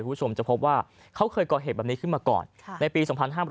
คุณผู้ชมจะพบว่าเขาเคยก่อเหตุแบบนี้ขึ้นมาก่อนในปี๒๕๕๘